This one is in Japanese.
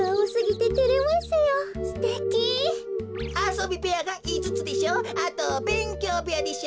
あそびべやがいつつでしょ。